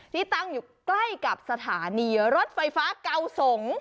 ที่ตั้งอยู่ใกล้กับสถานีรถไฟฟ้าเกาสง